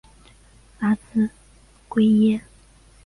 拉兹奎耶。